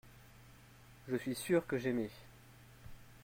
Je suis sûr que j’aimais.